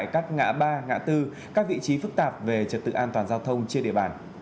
các ngã ba ngã tư các vị trí phức tạp về trật tự an toàn giao thông trên địa bàn